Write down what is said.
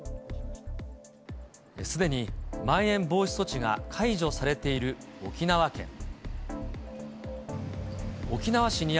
すでにまん延防止措置が解除されている沖縄県。